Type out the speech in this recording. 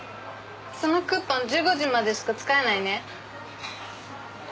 そのクーポン１５時までしか使えないね。